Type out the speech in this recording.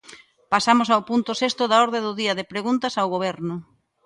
Pasamos ao punto sexto da orde do día, de preguntas ao Goberno.